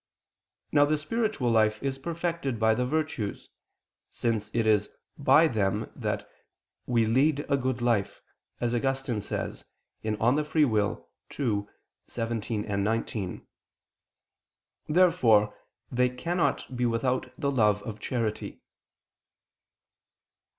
Now the spiritual life is perfected by the virtues, since it is "by them" that "we lead a good life," as Augustine states (De Lib. Arb. ii, 17, 19). Therefore they cannot be without the love of charity.